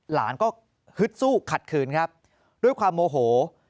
หลานก็ฮึดสู้ขัดขืนครับด้วยความโมโห